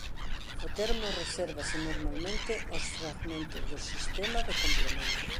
O termo resérvase normalmente aos fragmentos do sistema do complemento.